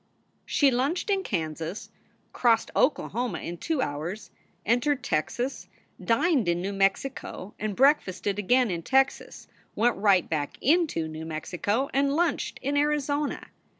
She lunched in Kansas, crossed Oklahoma in two hours, entered Texas, dined in New Mexico, and breakfasted again in Texas, went right back into New Mexico, and lunched in Arizona.